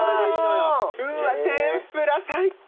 うわっ天ぷら最高。